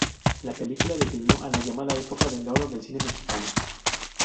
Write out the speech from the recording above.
La película definió a la llamada Época de oro del cine mexicano.